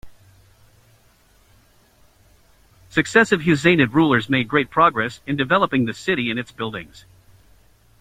Successive Husainid rulers made great progress in developing the city and its buildings.